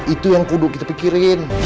itu yang kubu kita pikirin